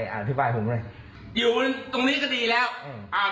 เอาไม้มาฉีคนอื่นแบบนี้มันมีสิทธิ์อะไร